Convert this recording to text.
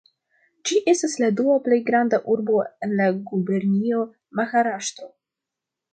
Ĝi estas la dua plej granda urbo en la gubernio Maharaŝtro.